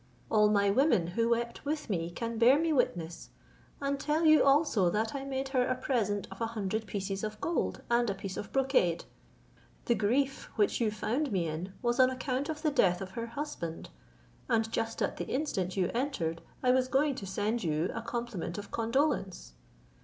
All my women, who wept with me, can bear me witness, and tell you also that I made her a present of a hundred pieces of gold and a piece of brocade; the grief which you found me in, was on account of the death of her husband; and just at the instant you entered, I was going to send you a compliment of condolence."